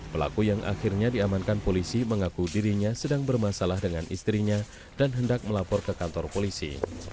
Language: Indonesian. pelaku yang akhirnya diamankan polisi mengaku dirinya sedang bermasalah dengan istrinya dan hendak melapor ke kantor polisi